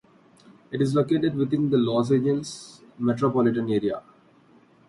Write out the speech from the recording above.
It is located within the Los Angeles metropolitan area.